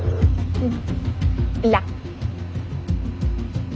うん。